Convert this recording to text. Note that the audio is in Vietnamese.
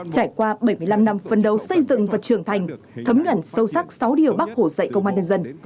trải qua bảy mươi năm năm phân đấu xây dựng và trưởng thành thấm nhuận sâu sắc sáu điều bác hồ dạy công an nhân dân